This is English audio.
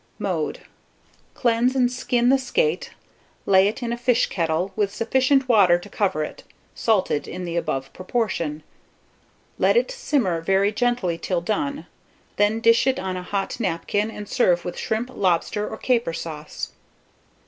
Mode. Cleanse and skin the skate, lay it in a fish kettle, with sufficient water to cover it, salted in the above proportion. Let it simmer very gently till done; then dish it on a hot napkin, and serve with shrimp, lobster, or caper sauce.